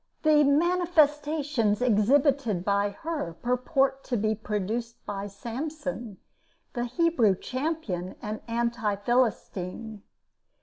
The "manifestations" exhibited by her purport to be produced by Samson, the Hebrew champion and anti philistine.